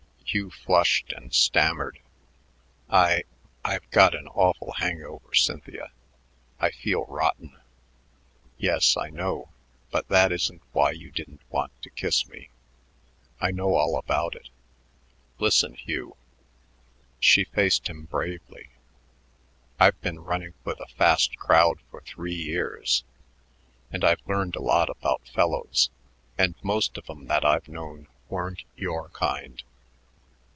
Hugh flushed and stammered: "I I've got an awful hang over, Cynthia. I feel rotten." "Yes, I know, but that isn't why you didn't want to kiss me. I know all about it. Listen, Hugh." She faced him bravely. "I've been running with a fast crowd for three years, and I've learned a lot about fellows; and most of 'em that I've known weren't your kind.